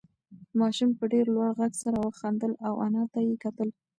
ماشوم په ډېر لوړ غږ سره خندل او انا ته یې کتل.